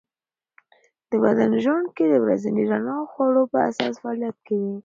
د بدن ژوڼکې د ورځني رڼا او خوړو په اساس فعالیت کوي.